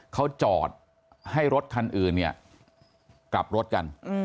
เขาจอดให้รถคันอื่นเนี่ยกลับรถกัน